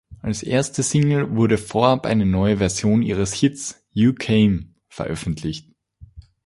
Als erste Single wurde vorab eine neue Version ihres Hits "You Came" veröffentlicht.